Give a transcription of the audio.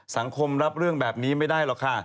สังคมรับเรื่องแบบนี้ไม่ได้หรอกค่ะ